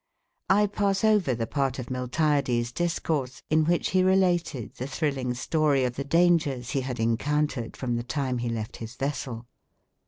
I pass over the part of Miltiades' discourse in which he related the thrilling story of the dangers he had encountered from the time he left his vessel.